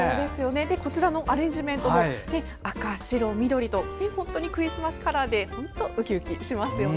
こちらのアレンジメント赤、白、緑とクリスマスカラーで本当にウキウキしますよね。